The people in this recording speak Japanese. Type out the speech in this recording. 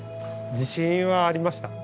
自信はありました。